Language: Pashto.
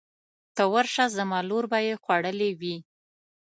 ته ورشه زما لور به یې خوړلې وي.